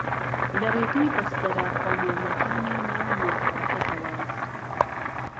لە ڕێگەی بەستەرە خۆماڵییەکانی ناو ماڵپەڕەکەتەوە